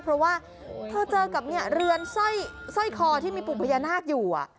เพราะว่าเธอเจอกับเรือนสร้อยคอที่มีปู่พญานาคอยู่